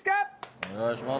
お願いします。